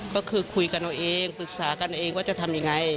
ก็คือคุยกันเอาเองปรึกษากันเองว่าจะทำยังไง